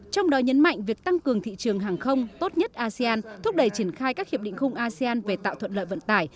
trong đó nhấn mạnh việc tăng cường thị trường hàng không tốt nhất asean thúc đẩy triển khai các hiệp định khung asean về tạo thuận lợi vận tải